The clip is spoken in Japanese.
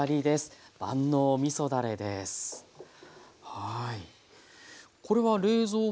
はい。